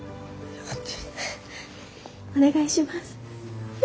お願いします。